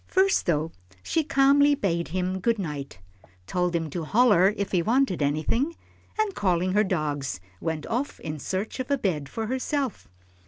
First though, she calmly bade him "Good night," told him to "holler," if he wanted anything, and, calling her dogs, went off in search of a bed for herself.